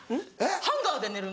ハンガーで寝る？